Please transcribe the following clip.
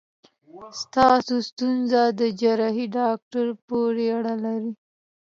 ستاسو ستونزه د جراحي داکټر پورې اړه لري.